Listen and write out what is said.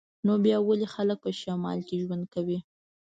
نو بیا ولې خلک په شمال کې ژوند کوي